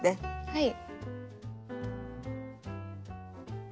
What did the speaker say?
はい。